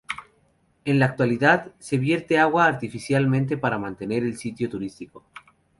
En la actualidad, se vierte agua artificialmente pata mantener el sitio turístico.